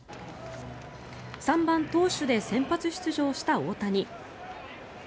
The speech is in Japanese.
３番投手で先発出場した大谷。